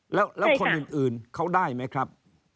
แล้วคนอื่นเขาได้ไหมครับ